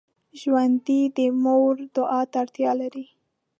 ژوندي د مور دعا ته اړتیا لري